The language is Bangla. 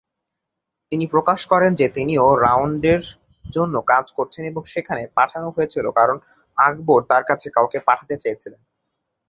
তিনি প্রকাশ করেন যে তিনিও রাউন্ডের জন্য কাজ করছেন এবং সেখানে পাঠানো হয়েছিল কারণ আকবর তার কাছে কাউকে পাঠাতে চেয়েছিলেন।